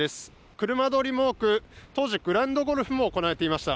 車通りも多く、当時グランドゴルフも行われていました。